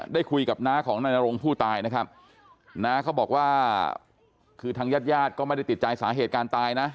ได้คุยกับน้าของนายนรงผู้ตายนะครับน้าเขาบอกว่าคือทางญาติญาติก็ไม่ได้ติดใจสาเหตุการตายนะ